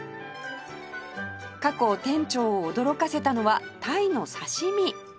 過去店長を驚かせたのは鯛の刺し身